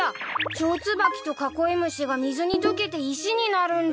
チョウツバキとカコイムシが水にとけて石になるんだ。